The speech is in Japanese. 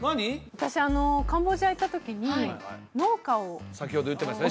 私カンボジア行った時に農家を先ほど言ってましたね